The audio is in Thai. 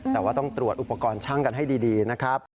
แต่ว่าต้องตรวจอุปกรณ์ช่างกันให้ดีนะครับ